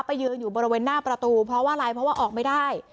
ยืนอยู่บริเวณหน้าประตูเพราะว่าอะไรเพราะว่าออกไม่ได้